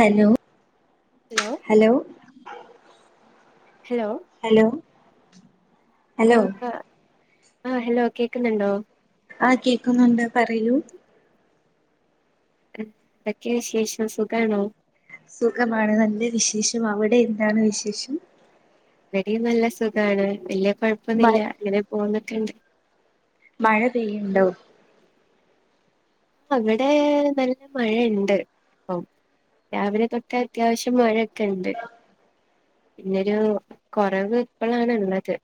Hello hello hello hello hello ആഹ് അഹ് ആഹ് ഹെലോ കേക്ക്ണ്‌ണ്ടോ? ആഹ് കേക്കുന്നുണ്ട് പറയൂ ന്തൊക്കെ വിശേഷം സുഖാണോ? സുഖമാണ് നല്ല വിശേഷം അവടെ എന്താണ് വിശേഷം വെടിം നല്ല സുഖാണ് വെല്യ മ കാെഴപ്പൊന്നില്ല ഇങ്ങെനേ പോവ്ന്നാെക്കെണ്ട് മഴ പെയ്യ്ണ്ടോ? അവിടേ നല്ല മഴ ഇണ്ട് പ്പം രാവിലെ തൊട്ടേ അത്യാവശ്യം മഴയൊക്കെ ഇണ്ട് പിന്നൊരു കൊറവ് ഇപ്പളാണ്ള്ളത്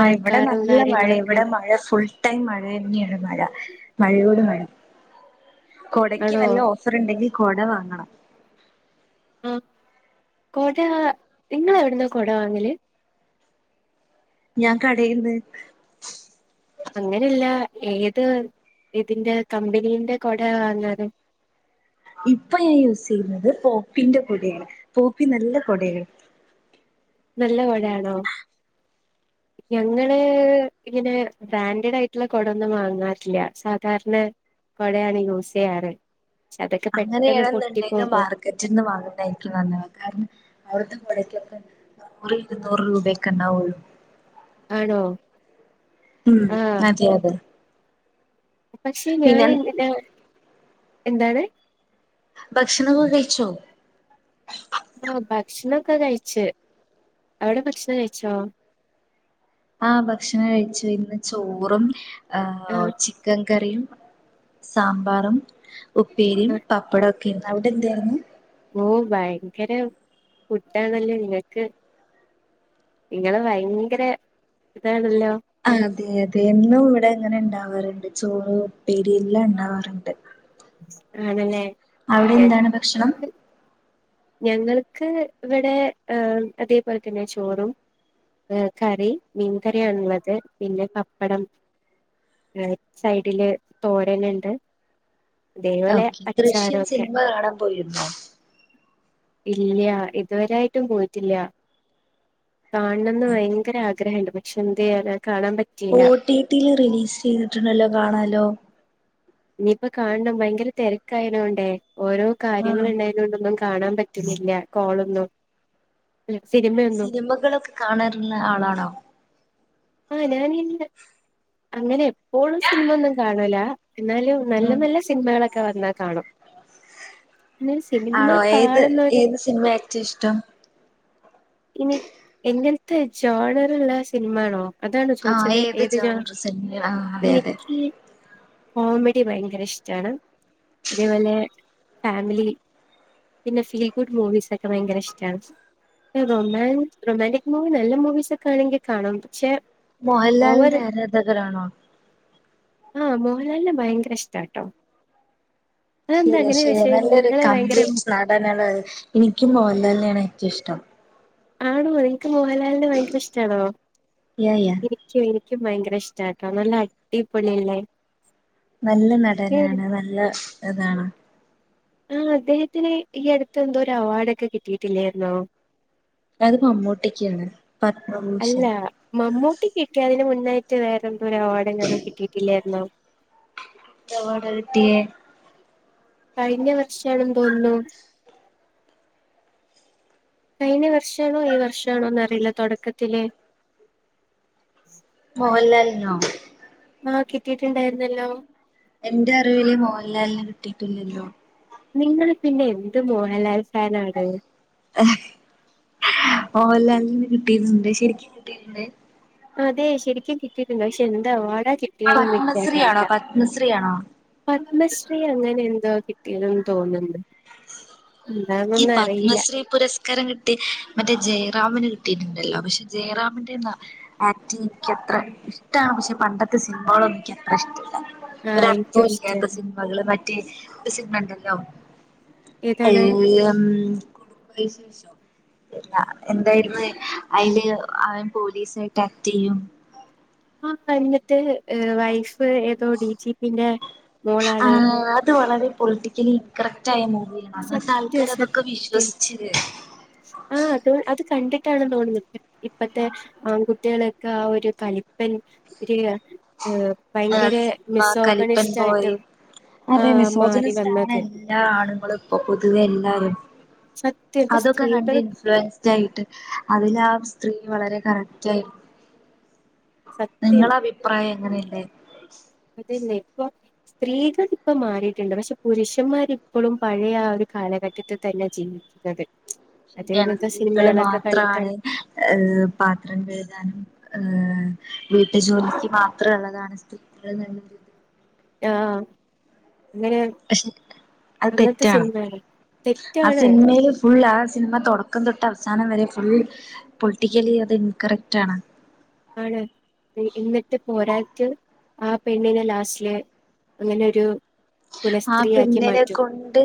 ആഹ് ഇവ്ടെ നല്ല മഴ കാര്യങ്ങളൊക്കെ ഇവ്ടെ ഉണ്ട് മഴ ഫുൾ ടൈം മഴ തന്നെയാണ് മഴ മഴയോട് മഴ കൊടക്ക് ആണോ നല്ല ഓ ഫർണ്ടെങ്കിൽ കൊട വാങ്ങണം ആഹ് കൊടാ ഇങ്ങെളെവ്ട്ന്നാ കൊട വാങ്ങല് ഞാൻ കടേന്ന് അങ്ങനെല്ലാ ഏത് ഇതിന്റെ കമ്പനീന്റെ കൊടേ വാങ്ങാറ് ഇപ്പൊ ഞാൻ യൂസെയ്യ്ന്നത് പോപ്പിന്റെ കാെടേണ് പോപ്പി നല്ല കൊടേണ് നല്ല കൊടയാണോ? [inaudible] ഞങ്ങള് ഇങ്ങെനെ ബ്രാൻഡഡായിട്ട്ള്ളെ കൊടൊന്നും വാങ്ങാറില്ല്യാ സാധാര്ണെ കൊടേണ് യൂസെയ്യാറ് ക്ഷെ അതൊക്കെ പെട്ടെന്ന് പൊട്ടി പോകും കെറ്റിന്ന് വാങ്ങ്ന്നതായ്രിക്കും നന്നാവാ കാരണം അവിട്ത്തെ കാെടെയ്ക്കൊക്കെ നൂറ് ഇര്ന്നൂറ്‌ രൂപയൊക്കെണ്ടാവാെള്ളു ആണോ ഉം ആഹ് അതെ അതെ പക്ഷെ പിന്നെ ഞാന് എന്തിനാ എന്താണ് ഭക്ഷണാെക്കെ കഴിച്ചോ ആഹ് ഭക്ഷണൊക്കെ കഴിച്ച് അവിടെ ഭക്ഷണം കഴിച്ചോ? ആഹ് ഭക്ഷണം കഴിച്ച് ഇന്ന് ചോറും ആഹ് ചിക്കൻ കറിയും സാമ്പാറും ഉപ്പേരിയും ആഹ് പപ്പടൊക്കേന്നു അവ്ടെ എന്തേന്നു ഓഹ് ഭയങ്കര ഫുഡ്ഡാണല്ലേ ഇങ്ങെക്ക് ഇങ്ങള് ഭയ്ങ്ക്‌രെ ഇതാണല്ലോ അതെ അതെ എന്നും ഇവിടെ അങ്ങെനെണ്ടാവാറ്ണ്ട് ചോറ് ഉപ്പേരി എല്ലാംണ്ടാവാറ്ണ്ട് ആണല്ലേ ഞങ്ങക്ക് അവിടെന്താണ് ഭക്ഷണം ഞങ്ങൾക്ക് ഇവിടെ ഏഹ് അതേ പോൽതന്നെയാ ചോറും കറി മീൻകറിയാണ്ള്ളത് പിന്നെ പപ്പടം ഏ സൈഡില് തോരന്ണ്ട്. ഓക്കെ ദൃശ്യം സിനിമ കാണാൻ പോയിരുന്നോ? ഇല്ല. ഇതുവരായിട്ടും പോയിട്ടില്ല കാണണംന്ന് ഭയങ്കര ആ ഗ്രഹണ്ട് പക്ഷെ എന്ത്‌ ചെയ്യാനാ കാണാൻ പറ്റ ഒട്ടിട്ടിയിൽ റിലീസ് ചെയ്തിട്ടുണ്ടല്ലോ കാണാല്ലോ ഇനിയിപ്പം കാണണം ഭയങ്കര തെരക്കായതോണ്ടേ ഓരോ ആഹ് കാര്യങ്ങള്ള്ളേ അതോണ്ടൊന്നും കാണാൻ പറ്റുന്നില്ല കോളൊന്നും അല്ല സിനിമയൊന്നും സിനിമകളൊക്കെ കാണാറുള്ള ആളാണോ? ആ ഞാന് അങ്ങനെ എപ്പോഴും സിനിമന്നും കാണല എന്നാലും നല്ല ഉം നല്ല സിൻമകളൊക്കെ വന്നാ കാണും സിനിമ ആണോ ഏത് കാണുന്നവര് ഏത് സിൻമേ ഏറ്റും ഇഷ്ടം? ഇനി എങ്ങൻത്തെ ജോണറ്ള്ള സിൻമാണോ? അതാണോ ആഹ് ചോയ്ച്ചത് ഏത് ജോ ജോൺർ സിനിമ ആഹ് അതെ അതെ [unintelligible] കോമഡി ഭയങ്കര ഇഷ്ടാണ് അതേപോലെ ഫാമിലി പിന്നെ ഫീൽ ഗുഡ് മൂവീസ് ഒക്കെ ഭയങ്കര ഇഷ്ടാണ്. റൊമാൻ റൊമാന്റിക് മൂവി നല്ല മൂവീസ് ഒക്കെ ആണെങ്കി കാണും. പക്ഷെ ഓവർ മോഹൻലാലിന്റെ ആരാധകരാണോ? ആഹ് മോഹൻലാലിനെ ഭയങ്കര ഇഷ്ടാട്ടോ അതെന്താ ശരിയാ അങ്ങനെ ശേ ചോദിച്ചേ നിങ്ങള് നല്ലൊരു ഭയങ്കര കംപ്ലീറ്റ് നടനല്ലേ എനിക്കും മോഹൻലാലിനെയാണ് ഏറ്റവും ഇഷ്ടം. ആണോ നിൻക്ക് മോഹൻലാലിന് ഭയങ്കര ഇഷ്ടാണോ യാ യാ ശരി എനിക്കും ഭയങ്കര ഇഷ്ടാട്ടോ നല്ല അടിപ്പൊളിയല്ലേ നല്ല നടനാണ് നല്ല താണ്. ആഹ് അദ്ദേഹത്തിന് ഈ അടുത്ത് എന്തോ ഒരു അവാഡൊക്കെ കിട്ടിയിട്ടില്ലായിര്ന്നോ? അത് മമ്മൂട്ടിക്കാണ് പത്മഭൂഷൺ ട്ടിക്കെക്കെ അതിന് മുന്നായിട്ട് വേറെന്തോ ഒരു അവാടെങ്ങാനും കിട്ടിയിട്ടില്ലായിര്ന്നോ? എന്ത് അവാഡാ കിട്ടിയേ? കഴിഞ്ഞ വർഷം ആണെന്ന് തോന്ന്ണു കഴിഞ്ഞ വർഷാണോ ഈ വർഷാണോന്ന് അറിയില്ല തൊടക്കത്തില് മോഹൻലാൽനോ? ആഹ് കിട്ടിട്ട്ണ്ടായിര്ന്നല്ലോ എന്റെ അറിവില് മോഹൻലാലിന് കിട്ടിയിട്ടൊന്നുല്ല. നിങ്ങള് പിന്നെ എന്ത് മോഹൽലാൽ ഫാനാത് മോഹൻലാലിന് കിട്ടിയിട്ട്ണ്ട് ശര്ക്കും കിട്ടിയിട്ട്ണ്ട്. അതെ ശരിക്കും കിട്ടിട്ടുണ്ട്. പക്ഷെ എന്താ അവാഡാ കി പത്മശ്രീ ആണോ പത്മശ്രീ ആണോ പത്മശ്രീ അങ്ങനെ എന്തോ കിട്ടിയതെന്ന് തോന്ന്ണ്ട്. ഈ പത്മശ്രീ പുരസ് ക്കാരം കിട്ടി മറ്റേ ജയറാമിന് കിട്ടിയിട്ട്ണ്ടല്ലോ. പക്ഷെ ജയറാമിന്റെ ന്നാ ആക്റ്റിങ് ഇക്കത്ര ഇഷ്ടാ. പക്ഷെ പണ്ടത്തെ സിൻമകളൊന്നും എനിക്ക് അത്ര ഇഷ്ടല്ല. ഒരു ആഹ് എനിക്കും അർത്ഥം ഇല്ലാത്ത ഇഷ്ടാണ് സിൻമകള് മറ്റേ ഒരു സിൻമ ണ്ടല്ലോ ഏ ഏതാണ് കുടുംബം വിശേഷം എന്തായിരുന്നു അയ്ല് അവൻ പോലീസ് ആയിട്ട് ആക്ടെയ്യും. ആഹ് [unintelligible] വൈഫ് ഏതോ ഡി ജി പിന്റെ മോളാണ്. ആഹ് അത് വളരെ പൊളിറ്റിക്കലി ഇൻകറക്റ്റ് ആയ മൂവിയാണ് അന്നത്തെ സത്യം ആൾക്കർ അതൊക്കെ സത്യം വിശ്വസിച്ച് ആഹ് അത് അത് കണ്ടിട്ടാണ് തോന്നു ഇപ്പത്തെ ആൺകുട്ട്യാളൊക്കെ ആ ഒരു കലിപ്പൻ ഒരു ആ ഭയങ്കര സിൻമ കലിപ്പൻ മിസോഗണിസ്റ്റ് ബോയ് ആയിട്ട് അതെ ആഹ് മിസോചന മാറി വന്നത് സ്റ്റാറായ്ര്ന്നു എല്ലാം ആണുങ്ങളും ഇപ്പൊ പൊതുവെ എല്ലാരും സത്യം ഇപ്പൊ അതൊക്കെ കണ്ട് സ്ത്രീകള് ഇൻഫ്ലൂൻസ് ആയിട്ട് അതില് ആ സ്ത്രീ വളരെ കറക്റ്റായ് സത്യം നിങ്ങള അഭിപ്രായം എങ്ങനെല്ലേ അതന്നെ ഇപ്പം സ്ത്രീകൾ ഇപ്പ മാറിയിട്ടുണ്ട് പക്ഷെ പുരുഷന്മാരിപ്പോഴും പഴയ ആ ഒരു കാലഘട്ടത്തിൽ തന്നെ ജീ അതെ ശരിയാണ് സ്ത്രീകള് മാത്രമാണ് കണ്ടിട്ടാണ് ഏ പാത്രം എഴുതാനും ഏഹ വീട്ടു ജോലിക്ക് മാത്രേ ഉള്ളതാണ് സ്ത്രീ [unintelligible] ആഹ അങ്ങനെ പക്ഷെ അത് അങ്ങനത്തെ തെറ്റാണ് സിനിമകള് ആ തെറ്റാണ് സിനിമയില് ഫുൾ ആ സിനിമ തുടക്കം തൊട്ട് അവസാനം വരെ ഫുൾ പൊളിറ്റിക്കലി അത് ഇൻകറക്റ്റ് ആണ് ആണ് ഇന്നട്ട് പോരായിട്ട് ആ പെണ്ണിനെ ലാസ്റ്റിലെ അങ്ങനെരു ആ പെണ്ണിനെ കൊണ്ട്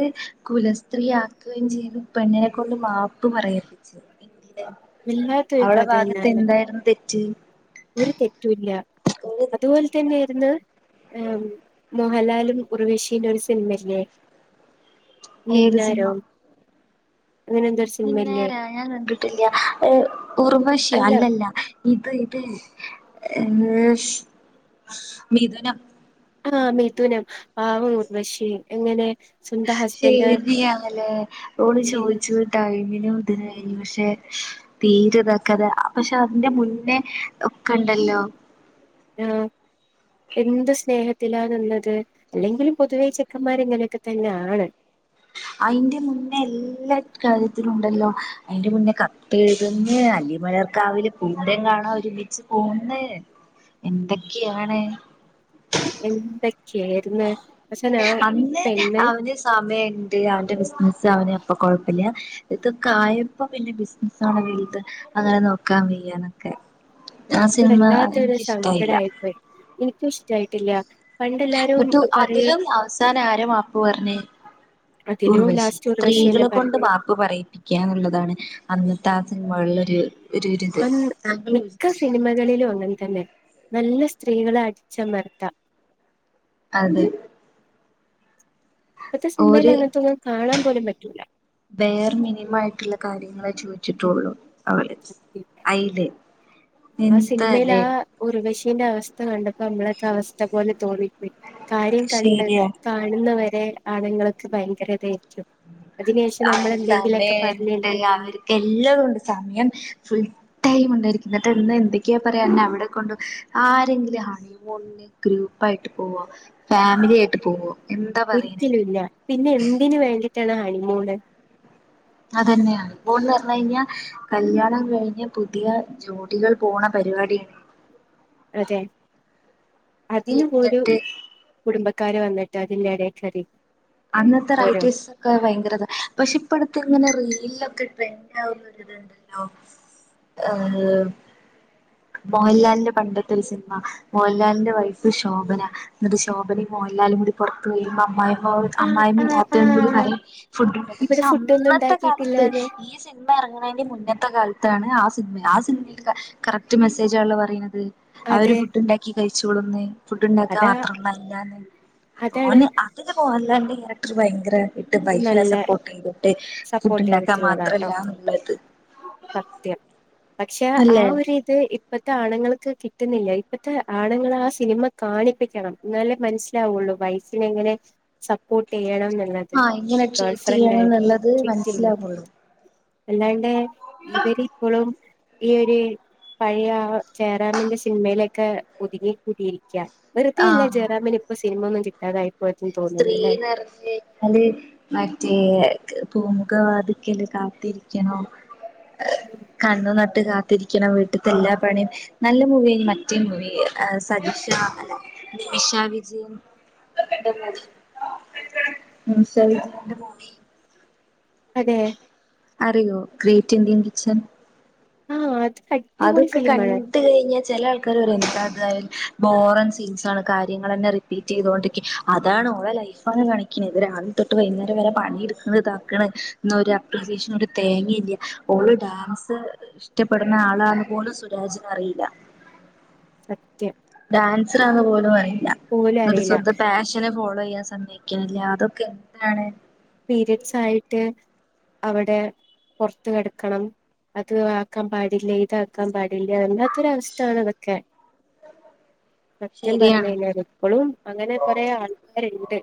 കുലസ്ത്രീയാക്കുകയും ചെയ്തു പെണ്ണിനെ കൊണ്ട് മാപ്പ് പറയപ്പിച്ചു എന്തിന് വല്ലാത്തൊരു അവളെ കഥ ഭാഗത്ത് തന്നെയല്ലേ എന്തായിരുന്നു തെറ്റ് ഒരു തെറ്റുല്ല ഒരു അതുപോലെ തെറ്റുമില്ല തന്നെയായിരുന്നു ആം മോഹൻലാലും ഊർവശീന്റെ ഒരു സിനിമല്ലേ ഏത് മിന്നാരോ അങ്ങനെന്തോ മിന്നാരോ ഞാൻ കണ്ടിട്ടില്ല ഹ് ഊർവശിയോ അല്ല അല്ലല്ല ഇത് ഇത് ഏ മിഥുനം ആഹ മിഥുനം പാവം ഉർവശി എങ്ങനെ സ്വന്തം ഹസ്ബൻഡ് ശരി അങ്ങല്ലെ ഓള് ശരി ചോദിച്ചു ടൈമിനും ഇതിനായി, പക്ഷേ തീരെ ഇതാകാതെ പക്ഷെ അതിന്റെ മുന്നേ ഒക്കെ ഉണ്ടല്ലോ ആഹ എന്ത് സ്നേഹത്തിലാ നിന്നത് അല്ലെങ്കിലും പൊതുവേ ചെക്കന്മാർങ്ങനെയൊക്കെ തന്നെയ ആണ് അയിന്റെ മുന്നേ എല്ലാ കാര്യത്തിലും ഉണ്ടല്ലോ അയിന് മുന്നേ കത്തെഴുതുന്ന് അല്ലിമലർ കാവില് പൂരം കാണാൻ ഒരുമിച്ച് പോന്ന എന്തൊക്കെയാണ് എന്തൊക്കെയായിരുന്ന് പക്ഷെ നാ പെണ് സമയ ഉണ്ട് അവന്റെ ബിസിനസ്സ് അവന് അപ്പംകുഴപ്പമില്ല ഇതൊക്കെ ആയപ്പോ പിന്നെ ബിസിനസാണ് വലുത് അങ്ങനെ നോക്കാൻ വയ്യാണ് ആ ഇത് സിനിമ വല്ലാത്തൊരു എനിക്കിഷ്ടായില്ല സങ്കടായിപ്പോയി എനിക്കും ഇഷ്ടായിട്ടില്ല പണ്ടെല്ലാരും എന്നിട്ട് പറയും അതിലും അവസാനം ആര മാപ്പു പറഞ്ഞേ അതിലു ഉർവശി. ലാസ്റ്റ് ഉർവശിയെന്നെ സ്ത്രീകളെ കൊണ്ട്- പറഞ്ഞു പറയിപ്പിക്കുക എന്നുള്ളതാണ്, അന്നത്തെ ആ സിനിമകളിൽ ഒരു- അ ഒരിത് മിക്ക സിനിമകളിലും അങ്ങനെ തന്നെ. നല്ല സ്ത്രീകളെ അടിച്ചമർത്ത. അതെ. ഇപ്പത്തെ സിനിമേൽ അങ്ങനത്തെൊന്നും കാണാൻ പോലും പറ്റൂല്ല. വേറെ മിനിമായിട്ടുള്ള കാര്യങ്ങളെ ചോദിച്ചിട്ടുള്ളൂ. അവര് അയില്. ആ സിനിമേൽ ആ. എന്താലേ ഊർവശീന്റെ അവസ്ഥ കണ്ടപ്പോ നമ്മളൊക്കെ അവസ്ഥ പോലെ തോന്നിപ്പോയി കാര്യം കണ്ട് ശരിയാ കാണുന്നവരെ ആണുങ്ങൾക്ക് ഭയങ്കര ഇതെ അതിനേഷം നമ്മൾ എന്തെങ്കിലൊക്കെ പറഞ്ഞട്ടുണ്ടെങ്ക- എല്ലതൊണ്ട്. സമയം ഫു- ടൈം ഉണ്ടായിരിക്കുന്നട്ട് എന്തൊക്കെയാ പറയാ എന്നെ അവിടെ കൊണ്ട് പോകും. ആരെങ്കിലും ഹണിമൂൺ ഗ്രൂപ്പായിട്ട് പോവ. ഫാമിലി ആയിട്ട് പോവ. ഒരിക്കലുംല്ല. പിന്നെ എന്തിന് വേണ്ടിയിട്ടാണ് ഹണിമൂണ്? അതന്നെയാണ്. പോൾ ന്ന് പറഞ്ഞഞ് കഴിഞ്ഞാ- കല്ല്യാണം കഴിഞ്ഞ് പുതിയ ജോഡികൾ പോണ പരിപാടിയാണ്. അതെ. അതിന് പോലും എന്നിട്ട് കുടുംബക്കാര് വന്നിട്ട് അതിന്റെ ഇടേ കേറി അന്നത്തെ ഓരോ റൈറ്റേസ് ക്കെ ഭയങ്കരതാ. പക്ഷെ ഇപ്പട്ത്ത്ങ്ങനെ റീൽലൊക്കെ ട്രെൻഡാവുന്നൊരിതുണ്ടല്ലോ? ഏഹ് മോഹൻലാലിന്റെ പണ്ടത്തെ ഒരു സിനിമ. മോഹൻലാലിന്റെ വൈഫ് ശോഭന. എന്നിട്ട് ശോഭനയും മോഹൻലാലും കൂടി പൊറത്ത് പോയി വര്മ്പം അമ്മായിമ്മ ആ ആ അമ്മായിമ്മയും നാത്തൂൻ കൂടി ആ പറയും ഫുഡ് ഉണ്ടാക്കാൻ. ഇവിടെ പക്ഷെ ഫുഡൊന്നും അന്നത്തെ കാലത്ത് ഉണ്ടാക്കിയിട്ടില്ലാന്ന് ഈ സിൻമ എറങ്ങ്ണേന്റിം മുന്നത്തെ കാലത്താണ് ആ സിൻമ. ആ സിൻമീല് കറക്റ്റ് മെസ്സേജാണല്ലോ പറീണത്. അവര് അതെ ഫുഡ് ഉണ്ടാക്കി കഴിചോളുംന്ന്. ഫുഡ്ണ്ടാക്കാൻ അതാ മാത്രള്ളല്ലാന്ന്. അതാണ് ഓന് അ തില് മോഹൻലാലിൻ്റെ കാരക്റ്റർ ഭയങ്കര ഇട്ട് വൈഫിനെ നല്ല സപ്പോർട്ട് ചെയ്തിട്ട്, ഫുഡ് സപ്പോർട്ട് ഇണ്ടാക്കാൻ ചെയ്തിട്ടുള്ളതാട്ടോ മാത്രല്ല ന്നുള്ളത്. സത്യം. പക്ഷെ ആ അല്ലേ ഒരി ത് ഇപ്പത്തെ ആണുങ്ങൾക്ക് കിട്ടുന്നില്ല. ഇപ്പത്തെ ആണുങ്ങളെ ആ സിനിമ കാണിപ്പിക്കണം. ഇന്നാലേ മനസ്സിലാവുള്ളൂ. വൈഫിനെ എങ്ങനെ സപ്പോർട്ട് ചെയ്യണം ന്നുള്ള ആഹ് എങ്ങനെ ട്രീറ്റെയ്യണം ന്നുള്ളത് മനസ്സിലാവൊള്ളൂ. അല്ലാണ്ടേ ഇവരിപ്പളും ഈയൊര് പഴയ ജയറാമിന്റെ സിനിമയിലൊക്കെ ഒതുങ്ങി കൂടിയിരിക്ക്യ. വെറുതയല്ല ആഹ് ജയറാമിന് ഇപ്പോ സിനിമ ഒന്നും കിട്ടാതായ സ്ത്രീ നെർഞ് അത് മറ്റേ പൂമുഖവാതിക്കല് കാത്തിരിക്കണം കണ്ണ് നട്ട് കാത്തിരിക്കണം. വീട്ട്ത്തെ എല്ലാ പണിം നല്ല മൂവിയായിനി മറ്റേ മൂവി സദിഷ അല്ല നിമിഷ വിജയൻ. [unintelligible] മൂവി ഉം നിമിഷ വിജയൻ്റെ മൂവി അതെ. അറിയോ? Great Indian kitchen. ആഹ് അത് ക അതൊക്കെ കൺ ണ്ടിട്ട് കഴിഞ്ഞാ ചെല ആൾക്കാര് പറയും എന്താത് ബോറൻ സീൻസാണ്. കാര്യങ്ങളെന്നെ റി പിറ്റെചയ്തൊണ്ടിരിക്ക്യാ. അതാണ് ഓളെ ലൈഫാണ് കാണിക്ണ്. ഇത് രാവിൽ തൊട്ട് വൈന്നേരം വരെ പണിയെട് ന്ന് ഇതാക്ണ്. ഇന്നാ ഒരു അപ്രിസിയേഷൻ ഒരു തേങ്ങില്ല്യ. ഓള് ഡാൻസ് ഇഷ്ടപ്പെട് ണ ആളാന്ന് പോലും സുരാജിന് അറീല്ല. സത്യം. ഡാൻസറാന്ന് പോലും അറിയില്ല. പോലും ഇന്നട്ട് അറിയില്ല സ്വന്തം പാഷൻ നെ ഫോളോ ചെയ്യാൻ സമ്മയ്ക്ണില്ല. അതൊക്കെ എന്താണ്? പീരിയഡ്സ് ആയിട്ട് അവിടെ പൊർത്ത് കെടക്കണം. അത് ആക്കാൻ പാടില്ല ഇതാക്കാൻ പാടില്ല വല്ലാത്തൊരവസ്ഥേണ് ഇതൊക്കെ സത്യം ശരിയാണ് പറഞ്ഞഴിഞ്ഞാല്. ഇപ്പളും അങ്ങനെ കൊറെ ആൾക്കാര്ണ്ട്.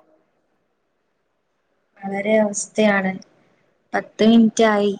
വളരെ അവസ്ഥയാണ് പത്ത് മിൻറ്റ് ആയി